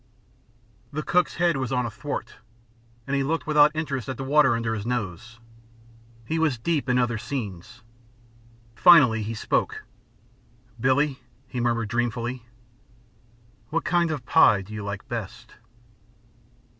The cook's head was on a thwart, and he looked without interest at the water under his nose. He was deep in other scenes. Finally he spoke. "Billie," he murmured, dreamfully, "what kind of pie do you like best?"